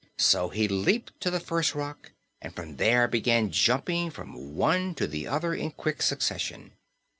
So he leaped to the first rock and from there began jumping from one to the other in quick succession.